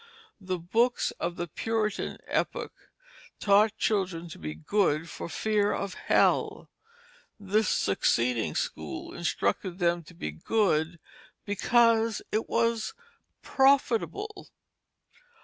The books of the Puritan epoch taught children to be good for fear of hell. This succeeding school instructed them to be good because it was profitable.